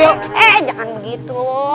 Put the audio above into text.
eh jangan begitu